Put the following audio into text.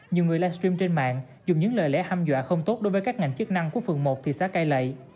nhiều người livestream trên mạng dùng những lời lẽ ham dọa không tốt đối với các ngành chức năng của phường một thị xã cai lệ